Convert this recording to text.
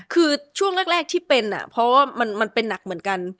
คือช่วงแรกที่เป็นเพราะว่ามันเป็นหนักเหมือนกัน